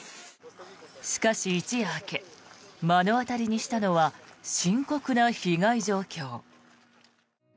しかし、一夜明け目の当たりにしたのは深刻な被害状況。